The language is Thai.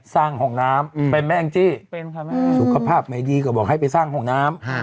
ห้องน้ำเป็นแม่แองจี้สุขภาพไม่ดีก็บอกให้ไปสร้างห้องน้ำ